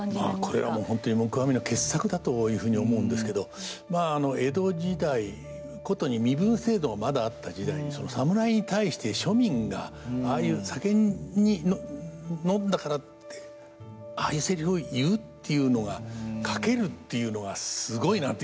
これはほんとに黙阿弥の傑作だというふうに思うんですけどまあ江戸時代殊に身分制度がまだあった時代に侍に対して庶民がああいう酒を飲んだからってああいうセリフを言うっていうのが書けるっていうのはすごいなというふうに思うんです。